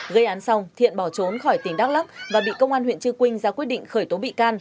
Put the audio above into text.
gây án xong thiện bỏ trốn khỏi tỉnh đắk lắc và bị công an huyện trư quynh ra quyết định khởi tố bị can